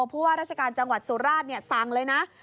ผู้ว่าราชการจังหวัดสุราชสั่งเลยนะ